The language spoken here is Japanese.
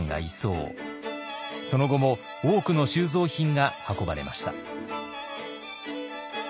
その後も多くの収蔵品が運ばれました。